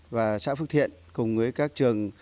và xã phước thiện cùng với các trường